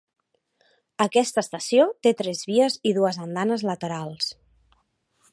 Aquesta estació té tres vies i dues andanes laterals.